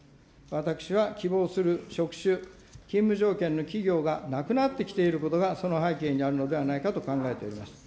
私は希望する職種、勤務条件の企業がなくなってきていることがその背景にあるのではないかと考えております。